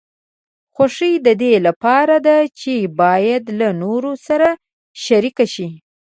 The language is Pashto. خوښي د دې لپاره ده چې باید له نورو سره شریکه شي.